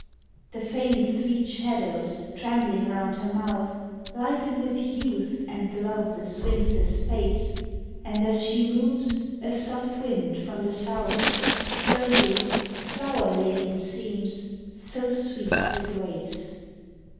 The faint sweet shadows trembling round her mouth Lighten with youth and love the Sphinx's face. And as she moves, a soft wind from the South Floating, flower laden seems so sweet her grace.